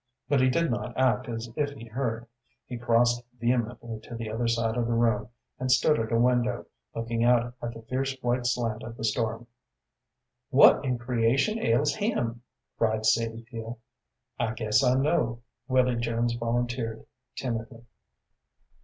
But he did not act as if he heard. He crossed vehemently to the other side of the room, and stood at a window, looking out at the fierce white slant of the storm. "What in creation ails him?" cried Sadie Peel. "I guess I know," Willy Jones volunteered, timidly.